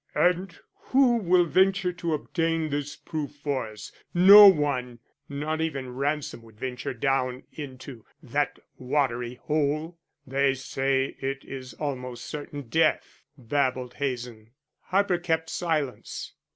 "And who will venture to obtain this proof for us? No one. Not even Ransom would venture down into that watery hole. They say it is almost certain death," babbled Hazen. Harper kept silence.